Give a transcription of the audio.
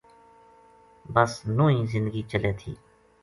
بس نوہی زندگی چلے تھی